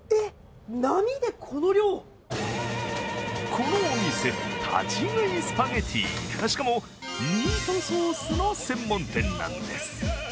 このお店、立ち食いスパゲッティしかもミートソースの専門店なんです。